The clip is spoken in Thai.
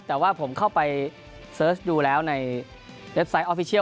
แต่ว่าผมเข้าไปเสิร์ชดูแล้วในเว็บไซต์ออฟฟิเชียล